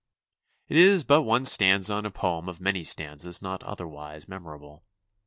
It is but one stanza in a poem of many stanzas not otherwise memorable.